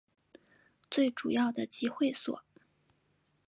最主要的集会所